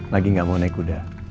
lagi gak mau naik kuda